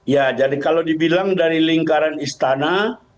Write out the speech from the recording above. ya jadi kalau dibilang dari lingkaran istana